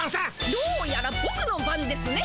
どうやらぼくの番ですね。